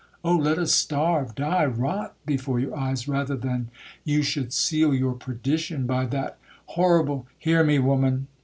—Oh! let us starve, die, rot before your eyes, rather than you should seal your perdition by that horrible'—'Hear me, woman!'